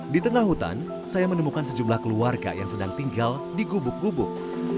di tengah hutan saya menemukan sejumlah keluarga yang sedang tinggal di gubuk gubuk